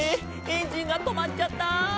エンジンが止まっちゃった！」